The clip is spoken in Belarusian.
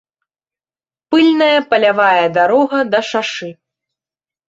Пыльная палявая дарога да шашы.